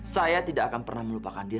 saya tidak akan pernah melupakan dia